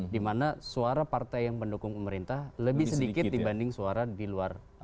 dimana suara partai yang mendukung pemerintah lebih sedikit dibanding suara di luar